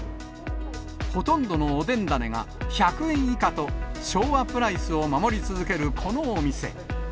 ほとんどのおでん種が１００円以下と、昭和プライスを守り続けるこのお店。